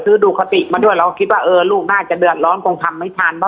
ดูคติมาด้วยเราก็คิดว่าเออลูกน่าจะเดือดร้อนคงทำไม่ทัน